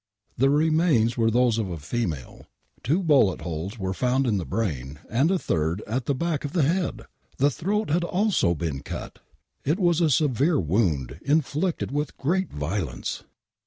The remains were those of a female. Two bullet holes were found in the brain, and a third at the back of the head ! The throat had also been cut ! It was a severe wound, inflicted with great violence